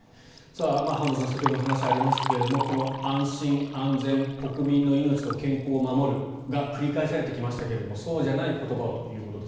浜田さん、先ほどの話にもありましたけれどこの安心安全国民の命と健康を守るが繰り返されてきましたけど今日はそうじゃない言葉をと。